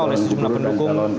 oleh sejumlah pendukung